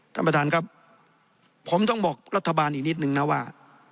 ท่านประธานครับผมต้องบอกรัฐบาลอีกนิดนึงนะว่า